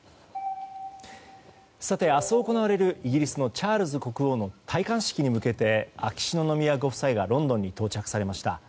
明日行われるイギリスのチャールズ国王の戴冠式に向けて、秋篠宮ご夫妻がロンドンに到着されました。